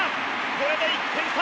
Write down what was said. これで１点差！